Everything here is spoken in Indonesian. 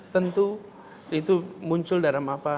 tentu itu muncul dalam apa